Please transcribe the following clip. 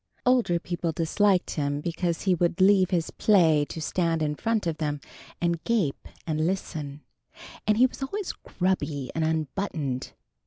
Older people disliked him because he would leave his play to stand in front of them and gape and listen, and he was always grubby and unbuttoned.